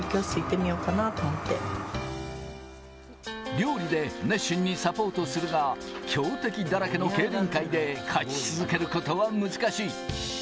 料理で熱心にサポートするが、強敵だらけの競輪界で勝ち続けることは難しい。